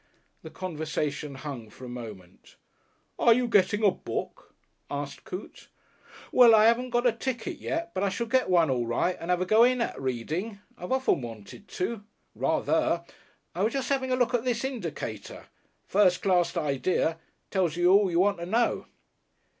The conversation hung for a moment. "Are you getting a book?" asked Coote. "Well, I 'aven't got a ticket yet. But I shall get one all right, and have a go in at reading. I've often wanted to. Rather. I was just 'aving a look at this Indicator. First class idea. Tells you all you want to know."